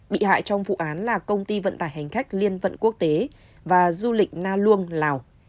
bị hại trong vụ án là công ty vận tải hành khách liên vận quốc tế và du lịch na luông lào